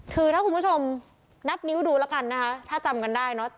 คือถ้าคุณผู้ชมนับนิ้วดูแล้วกันนะคะถ้าจำกันได้เนอะ